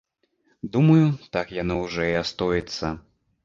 Думаю, так яно ўжо і астоіцца.